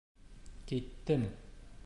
Киттем.